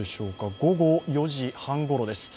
午後４時半ごろです